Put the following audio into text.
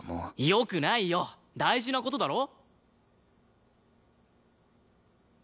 よくないよ大事な事だろ。